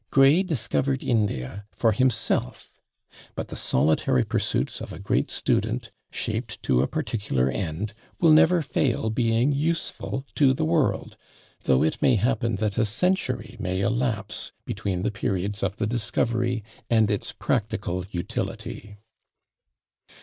Gray discovered India for himself; but the solitary pursuits of a great student, shaped to a particular end, will never fail being useful to the world; though it may happen that a century may elapse between the periods of the discovery and its practical utility.